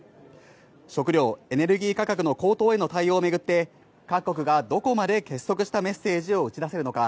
食料・エネルギー価格の高騰への対応を巡って、各国がどこまで結束したメッセージを打ち出せるのか。